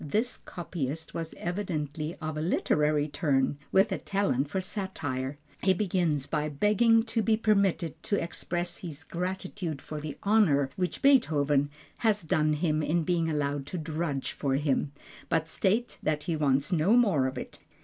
This copyist was evidently of a literary turn, with a talent for satire. He begins by begging to be permitted to express his gratitude for the honor which Beethoven has done him in being allowed to drudge for him, but states that he wants no more of it.